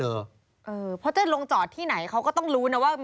เพราะจะลงจอดที่ไหนเขาก็ต้องรู้นะว่า